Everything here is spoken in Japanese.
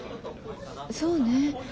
そうねぇ。